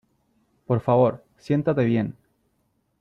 Por favor, siéntate bien.